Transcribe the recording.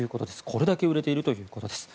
これだけ売れているということです。